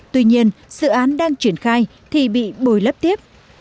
tuy nhiên dự án đang triển khai thì bị bồi lấp tiếp